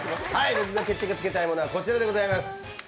僕が決着をつけたいものはこちらになります。